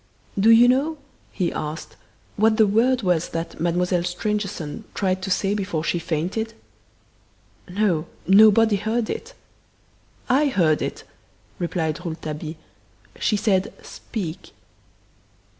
"Do you know," he asked, "what the word was that Mademoiselle Stangerson tried to say before she fainted?" "No nobody heard it." "I heard it!" replied Rouletabille. "She said 'Speak!